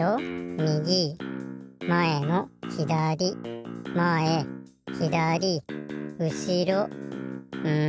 みぎまえのひだりまえひだりうしろん